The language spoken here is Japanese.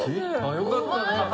よかった。